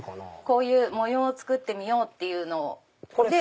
こういう模様を作ってみようっていうので。